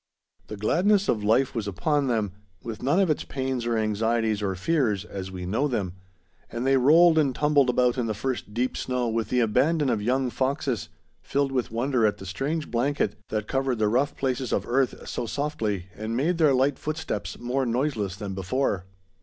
The gladness of life was upon them, with none of its pains or anxieties or fears, as we know them; and they rolled and tumbled about in the first deep snow with the abandon of young foxes, filled with wonder at the strange blanket that covered the rough places of earth so softly and made their light footsteps more noiseless than before.